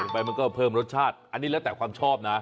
ไปมันก็เพิ่มรสชาติอันนี้แล้วแต่ความชอบนะ